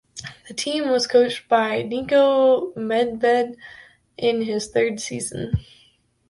The team was coached by Niko Medved in his third season.